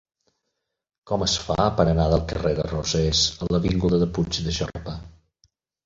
Com es fa per anar del carrer de Rosés a l'avinguda de Puig de Jorba?